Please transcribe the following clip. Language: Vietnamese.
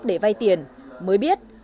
để vay tiền mới biết